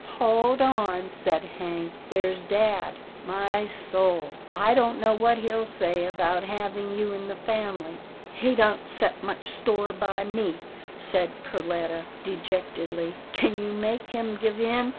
" Hold on," said Hank, "there's dad — my soul! I don't know what he'll say about having you in the family." " He don't set much store by me," said Perletta, dejectedly, "kin you make him give in?"